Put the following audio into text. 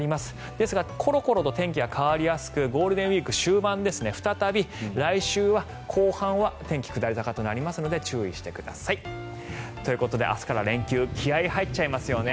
ですがコロコロと天気が変わりやすくゴールデンウィーク終盤再び来週、後半は天気下り坂となりますので注意してください。ということで明日から連休気合、入っちゃいますよね。